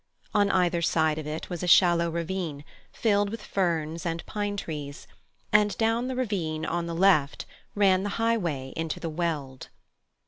On either side of it was a shallow ravine, filled with ferns and pine trees, and down the ravine on the left ran the highway into the Weald.